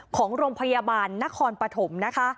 ของโรงพยาบาลนครปฐม